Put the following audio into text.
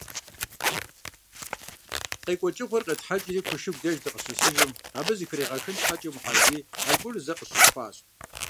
КъекӀуэкӀыгъуэр къетхьэкӀри, Кушыку деж дыкъыщысым, абы зэхригъэхын щхьэкӀэ, Мухьэрбий аргуэру зэ къысщытхъуащ.